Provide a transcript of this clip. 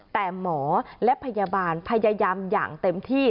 แต่หมอและพยาบาลพยายามอย่างเต็มที่